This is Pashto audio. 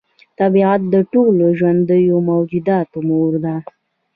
طبیعت د ټولو ژوندیو موجوداتو مور ده.